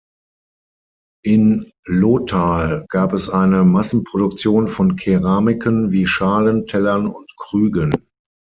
In Lothal gab es eine Massenproduktion von Keramiken wie Schalen, Tellern und Krügen.